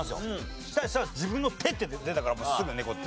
そしたら「自分の手」って出たからすぐ猫って。